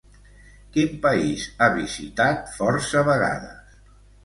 Quin país ha visitat força vegades?